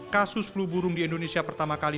kasus flu burung di indonesia pertama kali